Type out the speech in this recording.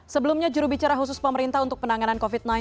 sebelumnya jurubicara khusus pemerintah untuk penanganan covid sembilan belas